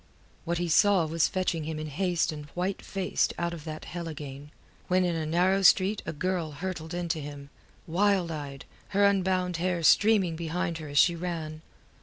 What he saw was fetching him in haste and white faced out of that hell again, when in a narrow street a girl hurtled into him, wild eyed, her unbound hair streaming behind her as she ran.